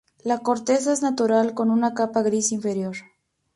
La corteza es natural, con una capa gris inferior.